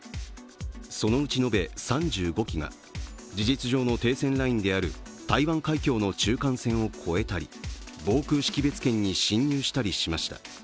そのうち延べ３５機が事実上の停戦ラインである台湾海峡の中間線を越えたり防空識別圏に進入したりしました。